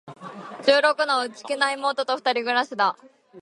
十六の、内気な妹と二人暮しだ。